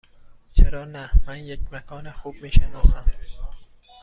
چرا نه؟ من یک مکان خوب می شناسم.